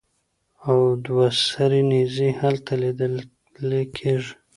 او دوه سرې نېزې هلته لیدلې کېږي.